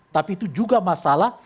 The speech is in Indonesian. tapi itu juga masalah